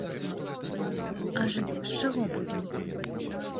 А жыць з чаго будзем?